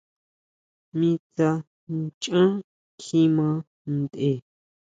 Mi tsá ʼnchan kjima ntʼe.